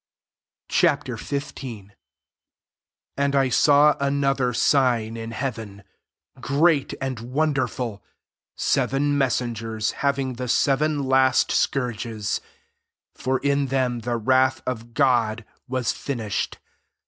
Ch. XV. 1 And I saw an other sign in heaven, 'great and wonderful ; seven messengers having the seven last scourges : for in them the wrath of God was finished.